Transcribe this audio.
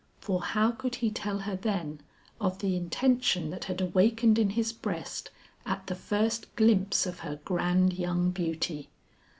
For how could he tell her then of the intention that had awakened in his breast at the first glimpse of her grand young beauty.